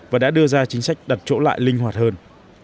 và đã đưa ra chính sách đặt chỗ lại linh hoạt hơn